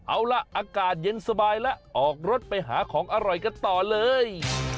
เอาล่ะอากาศเย็นสบายแล้วออกรถไปหาของอร่อยกันต่อเลย